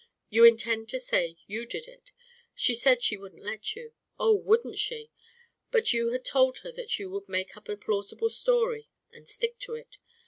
You intend to say you did it. She said she wouldn't let you oh, wouldn't she! but you had told her that you would make up a plausible story and stick to it.